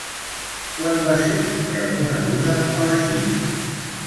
Quan va ser reconeguda a la Xina?